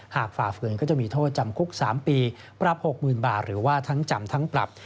ฝ่าฝืนก็จะมีโทษจำคุก๓ปีปรับ๖๐๐๐บาทหรือว่าทั้งจำทั้งปรับ